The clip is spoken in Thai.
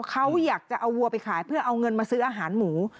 เขาอยากจะเอาวัวไปขายเพื่อเอาเงินมาซื้ออาหารหมู